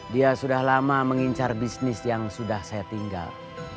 dia sudah lama mengincar bisnis yang sudah saya tinggal